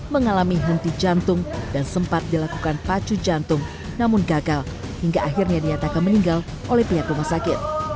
mengalami henti jantung dan sempat dilakukan pacu jantung namun gagal hingga akhirnya diatakan meninggal oleh pihak rumah sakit